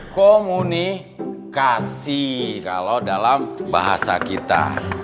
komunikasi kalau dalam bahasa kita